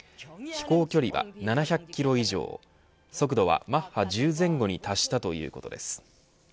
飛行距離は７００キロ以上速度はマッハ１０前後に達したということです。